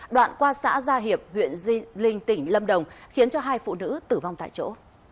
đoạn qua xã gia hiệp huyện linh tỉnh lâm đồng khiến hai phụ nữ tử vong tại chỗ